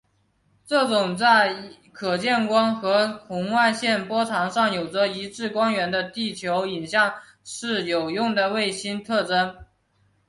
这种在可见光或红外线波长上有着一致光源的地球影像是有用的卫星特征。